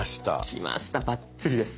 きましたバッチリです！